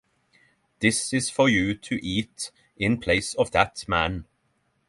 This is for you to eat in place of that man.